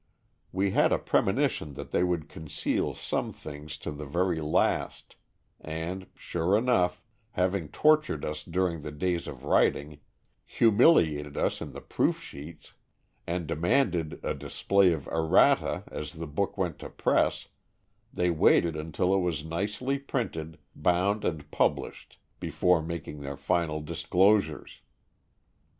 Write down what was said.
We had a premonition that they would conceal some things to the very last; and, sure enough, having tortured us during the days of writing, humiliated us in the proof sheets, and demanded a display of errata as the book went to press, they waited until it was nicely printed, bound and published before making their final disclosures!